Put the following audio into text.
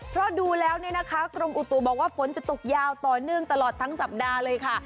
เพราะดูแล้วเนี่ยนะคะกรมอุตุบอกว่าฝนจะตกยาวต่อเนื่องตลอดทั้งสัปดาห์เลยค่ะ